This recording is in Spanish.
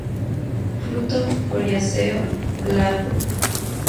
Fruto coriáceo, glabro.